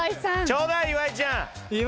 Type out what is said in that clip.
ちょうだい岩井ちゃん。